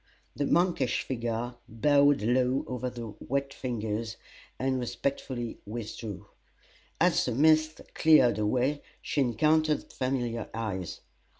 The monkish figure bowed low over the wet fingers, and respectfully withdrew. As the mist cleared away she encountered familiar eyes.